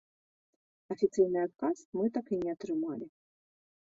Афіцыйны адказ мы так і не атрымалі.